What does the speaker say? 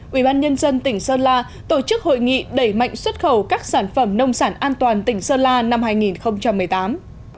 ubnd tỉnh sơn la tổ chức hội nghị đẩy mạnh xuất khẩu các sản phẩm nông sản an toàn tỉnh sơn la năm hai nghìn một mươi tám